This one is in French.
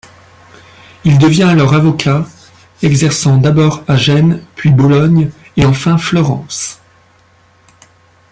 Il devient alors avocat, exerçant d'abord à Gênes, puis Bologne, et enfin Florence.